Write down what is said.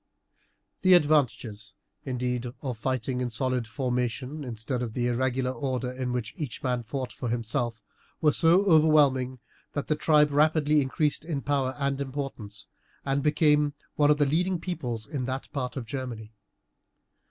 The advantages, indeed, of fighting in solid formation, instead of the irregular order in which each man fought for himself, were so overwhelming that the tribe rapidly increased in power and importance, and became one of the leading peoples in that part of Germany.